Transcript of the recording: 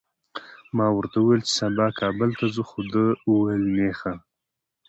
ما ورته وویل چي سبا کابل ته ځو، ده وویل نېخه!